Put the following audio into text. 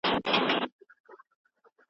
که شتمن زکات ورنکړي نو ټولنه به خرابه سي.